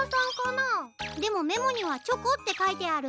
でもメモにはチョコってかいてある。